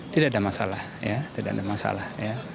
tidak ada masalah ya tidak ada masalah